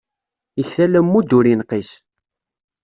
Iktal ammud, ur inqis.